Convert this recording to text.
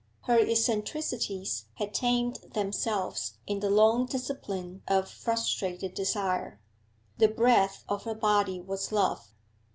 Her eccentricities had tamed themselves in the long discipline of frustrated desire. The breath of her body was love.